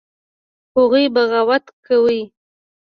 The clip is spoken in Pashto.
هغوى بغاوت کړى.